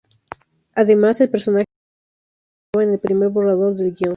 Además, el personaje de X no estaba en el primer borrador del guion.